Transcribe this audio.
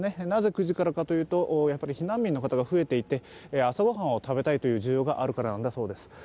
なぜ９時からかというと避難民の方が増えていて朝御飯を食べたいという需要からあるからなんだそうです。